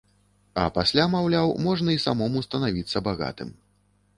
А пасля, маўляў, можна і самому станавіцца багатым.